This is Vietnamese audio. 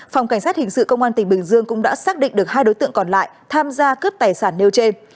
phòng cảnh sát hình sự công an tỉnh bình dương cũng đã xác định được hai đối tượng còn lại tham gia cướp tài sản nêu trên